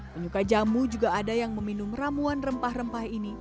penyuka jamu juga ada yang meminum ramuan rempah rempah ini